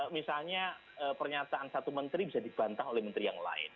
misalnya pernyataan satu menteri bisa dibantah oleh menteri yang lain